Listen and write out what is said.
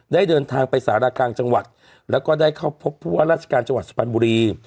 เดินทางไปสารกลางจังหวัดแล้วก็ได้เข้าพบผู้ว่าราชการจังหวัดสุพรรณบุรี